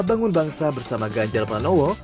bangun bangsa bersama ganjar pranowo